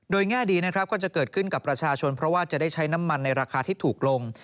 แง่ดีนะครับก็จะเกิดขึ้นกับประชาชนเพราะว่าจะได้ใช้น้ำมันในราคาที่ถูกลง